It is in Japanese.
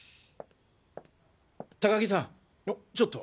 高木さんちょっと。